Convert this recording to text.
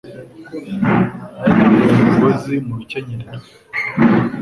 Nari nambaye umugozi mu rukenyerero